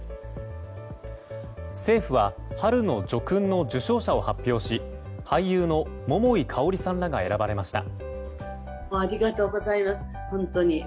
政府は春の叙勲の受章者を発表し俳優の桃井かおりさんらが選ばれました。